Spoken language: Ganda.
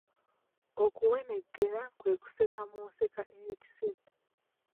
Okuweneggera kwe kuseka mu nseka eye kisiru.